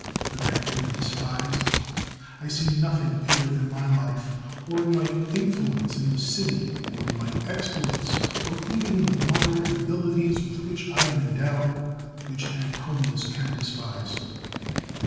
— that I have been despised? I see nothing either in my life, or in my influence in the city, or in my exploits, or even in the moderate abilities with which I am endowed, which Antonius can despise.